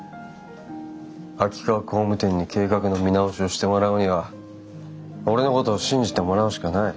秋川工務店に計画の見直しをしてもらうには俺のことを信じてもらうしかない。